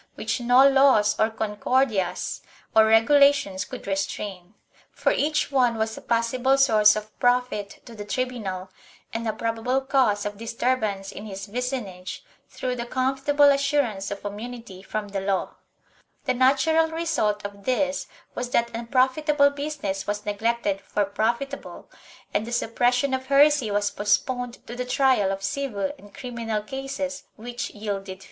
which no laws or Con cordias or regulations could restrain, for each one was a possible source of profit to the tribunal and a probable cause of disturb ance in his vicinage, through the comfortable assurance of immunity from the law. The natural result of this was that unprofitable business was neglected for profitable, and the suppression of heresy was post poned to the trial of civil and criminal cases which yielded fees. 1 Cabrera, Felipe Segundo, Lib. X, cap. xviii.